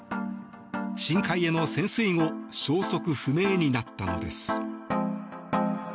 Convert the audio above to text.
深海への潜水後消息不明になったのです。